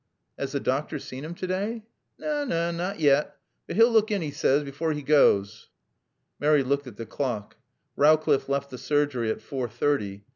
"Has the doctor seen him to day?" "Naw, naw, nat yat. But 'e'll look in, 'e saays, afore 'e goas." Mary looked at the clock. Rowcliffe left the surgery at four thirty.